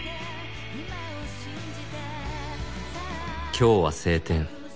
「今日は晴天。